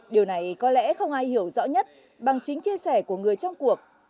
điều này có lẽ không ai hiểu rõ nhất bằng chính chia sẻ của người trong cuộc